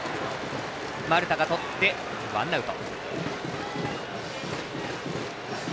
丸田がとってワンアウト。